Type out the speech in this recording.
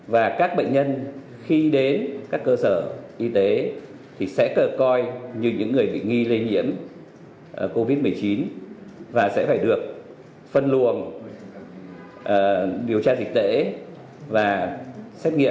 và các bệnh nhân khi đến các cơ sở y tế thì sẽ coi như những người bị nghi lây nhiễm covid một mươi chín và sẽ phải được phân luồng điều tra dịch tễ và xét nghiệm